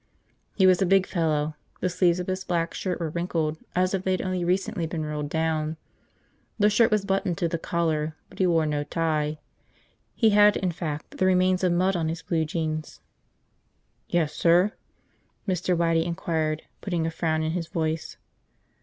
He was a big fellow. The sleeves of his black shirt were wrinkled, as if they had only recently been rolled down. The shirt was buttoned to the collar but he wore no tie. He had, in fact, the remains of mud on his blue jeans. "Yes, sir?" Mr. Waddy inquired, putting a frown in his voice.